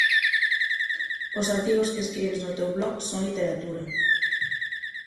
Os artigos que escribes no teu blog son literatura.